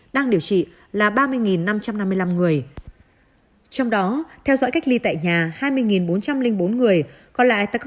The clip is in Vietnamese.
đang điều trị là ba mươi năm trăm năm mươi năm người trong đó theo dõi cách ly tại nhà hai mươi bốn trăm linh bốn người còn lại